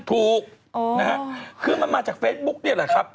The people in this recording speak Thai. ถูกนะฮะคือมันมาจากเฟซบุ๊กนี่แหละครับ